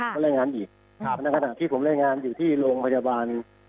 ก็รายงานอีกในขณะที่ผมรายงานอยู่ที่โรงพยาบาล